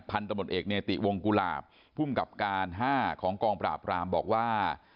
ตำรวจเอกเนติวงกุหลาบภูมิกับการ๕ของกองปราบรามบอกว่า